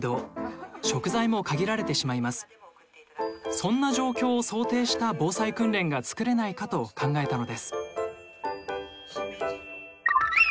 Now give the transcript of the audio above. そんな状況を想定した防災訓練が作れないかと考えたのです。